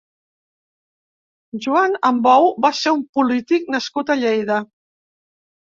Juan Ambou va ser un polític nascut a Lleida.